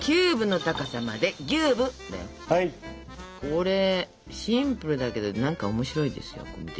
これシンプルだけど何か面白いですよ見てると。